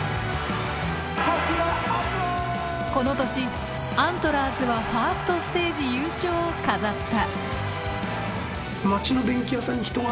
この年アントラーズはファーストステージ優勝を飾った。